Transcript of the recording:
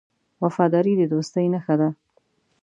وفاداري د دوستۍ نښه ده.